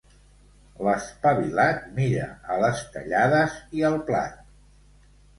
L'espavilat mira a les tallades i al plat.